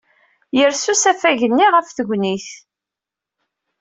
Yers usafag-nni ɣef tegnit.